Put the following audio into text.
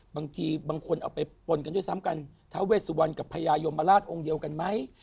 บางทีบางคนเอาไปปนกันด้วยซ้ำกันท้าเวสวรรณกับพญายมราชองค์เดียวกันไหม